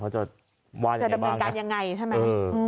เขาจะวาดอย่างไรบ้างนะเออนะฮะจะดำเนินการอย่างไร